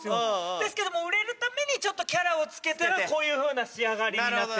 ですけども売れるためにちょっとキャラをつけたらこういうふうな仕上がりになってったっていう。